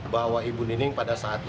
itu terbelit masalah